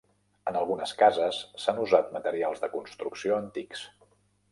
En algunes cases s'han usat materials de construcció antics.